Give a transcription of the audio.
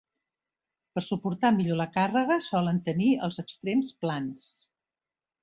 Per a suportar millor la càrrega solen tenir els extrems plans.